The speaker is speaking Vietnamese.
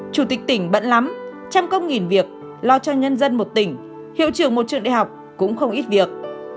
chủ tịch tỉnh bẫn lắm trăm công nghìn việc lo cho nhân dân một tỉnh hiệu trưởng một trường đại học cũng không ít việc